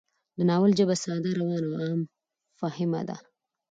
د ناول ژبه ساده، روانه او عام فهمه ده